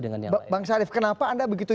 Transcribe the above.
dengan yang lain bang sharif kenapa anda begitu